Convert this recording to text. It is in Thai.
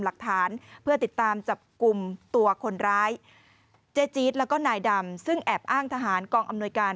หลักฐานเพื่อติดตามจับกลุ่มตัวคนร้ายเจ๊จี๊ดแล้วก็นายดำซึ่งแอบอ้างทหารกองอำนวยการ